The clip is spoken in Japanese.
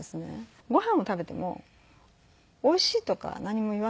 ごはんを食べても「おいしい」とか何も言わないんです。